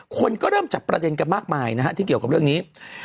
คนก็เริ่มจับประเด็นกันมากมายนะฮะที่เกี่ยวกับเรื่องนี้